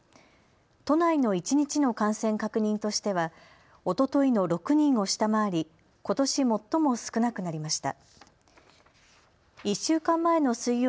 都内の一日の感染確認としてはおとといの６人を下回り、ことし最も少なくなりました。